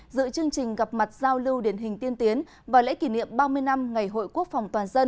giữa chương trình gặp mặt giao lưu điển hình tiên tiến và lễ kỷ niệm ba mươi năm ngày hội quốc phòng toàn dân